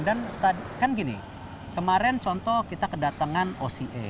dan kan gini kemarin contoh kita kedatangan oca